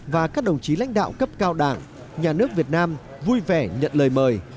và các đồng chí lãnh đạo cấp cao đảng nhà nước việt nam vui vẻ nhận lời mời